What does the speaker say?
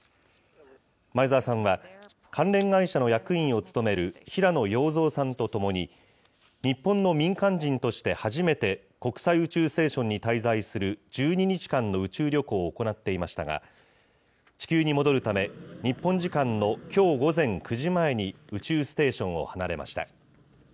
前澤さんは、関連会社の役員を務める平野陽三さんと共に、日本の民間人として初めて国際宇宙ステーションに滞在する１２日間の宇宙旅行を行っていましたが、地球に戻るため、日本時間のきょう午前９時前に宇宙ステーションを離れました。